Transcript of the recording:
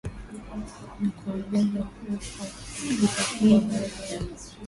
na kuongeza ufadhiliKwa kuwa baadhi ya